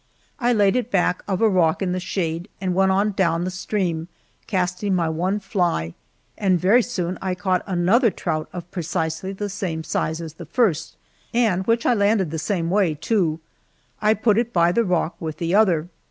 I laid it back of a rock in the shade, and went on down the stream, casting my one fly, and very soon I caught another trout of precisely the same size as the first, and which I landed the same way, too. I put it by the rock with the other.